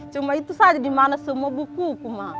cuma itu saja di mana semua buku